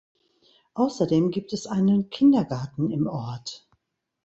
Außerdem gibt es einen Kindergarten im Ort.